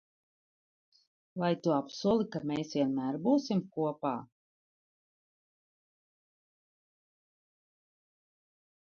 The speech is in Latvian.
Vai tu apsoli, ka mēs vienmēr būsim kopā?